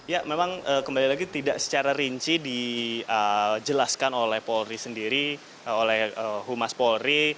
ya memang kembali lagi tidak secara rinci dijelaskan oleh polri sendiri oleh humas polri